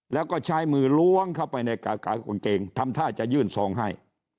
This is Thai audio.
แล้วก็ใช้มือล้วงเข้าไปในกางเกงทำท่าจะยื่นซองให้